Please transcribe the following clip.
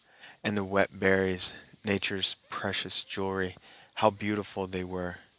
And the wet berries, Nature's precious jewelry, how beautiful they were!